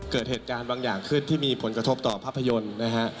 เกิดเหตุการณ์บางอย่างขึ้นที่มีผลกระทบต่อภาพยนตร์นะฮะ